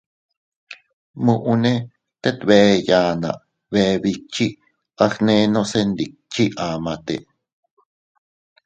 Muʼune tet bee yanna, bee bikchi, agnenose ndikchi amate.